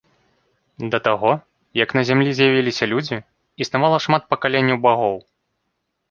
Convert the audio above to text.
Да таго, як на зямлі з'явіліся людзі, існавала шмат пакаленняў багоў.